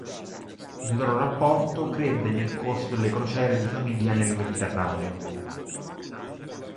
Il loro rapporto crebbe nel corso delle crociere di famiglia nel Mediterraneo.